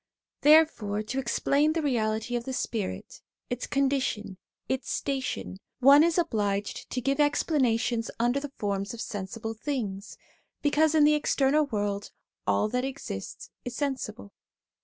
There fore to explain the reality of the spirit, its condition, its station, one is obliged to give explanations under the forms of sensible things, because in the external world all that exists is sensible.